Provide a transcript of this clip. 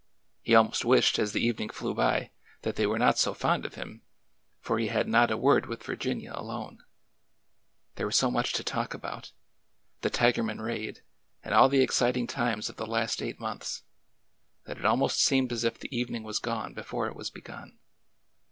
He almost wished, as the evening flew by, that they were not so fond of him, for he had not a word with Virginia alone. There was so much to talk about — the Tigerman raid, and all the exciting times of the last eight months— that it almost seemed as if the evening was gone before it v/as begun.